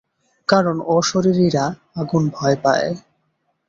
কারণ, অশরীরীরা আগুন ভয় পায়।